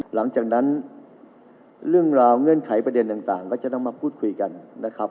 หลังจากนั้นเรื่องราวเงื่อนไขประเด็นต่างก็จะต้องมาพูดคุยกันนะครับ